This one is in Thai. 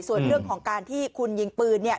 ส่วนเรื่องของการที่คุณหัวบ้านปืนเนี่ย